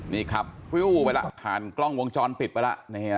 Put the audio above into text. นี่ครับฟิ้วไปละหันกล้องวงจรปิดไปละ